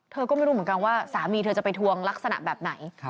เธอก็ไม่รู้เหมือนกันว่าสามีเธอจะไปทวงลักษณะแบบไหน